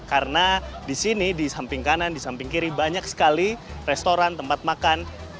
karena di sini di samping kanan di samping kiri banyak sekali restoran tempat makan